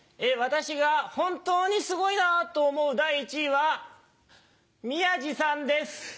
私が本当にすごいなぁと思う第１位は宮治さんです。